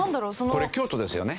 これ京都ですよね。